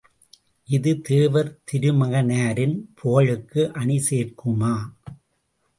இது தேவர் திருமகனாரின் புகழுக்கு அணி சேர்க்குமா?